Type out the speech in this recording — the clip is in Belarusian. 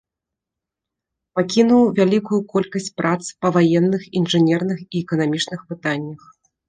Пакінуў вялікую колькасць прац па ваенных, інжынерных і эканамічных пытаннях.